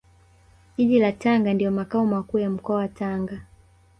Jiji la Tanga ndio Makao Makuu ya Mkoa wa Tanga